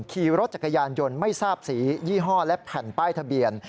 ขี่รถจักรยานยนต์ไม่ทราบสียี่ห้อและแผ่นป้ายทะเบียน